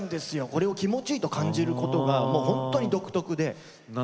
これを気持ちいいって感じることが本当に独特で。